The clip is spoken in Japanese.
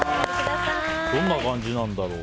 どんな感じなんだろう。